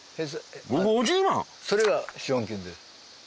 それが資本金です。